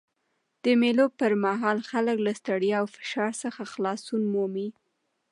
د مېلو پر مهال خلک له ستړیا او فشار څخه خلاصون مومي.